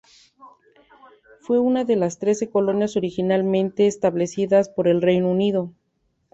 Fue una de las Trece Colonias originalmente establecidas por el Reino Unido.